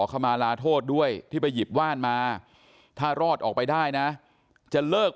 ขมาลาโทษด้วยที่ไปหยิบว่านมาถ้ารอดออกไปได้นะจะเลิก